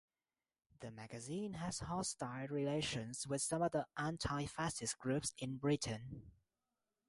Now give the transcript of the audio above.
The magazine has hostile relations with some other anti-fascist groups in Britain.